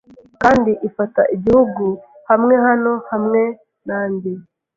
Kandi ifata igihugu bamwe hano hamwe nanjye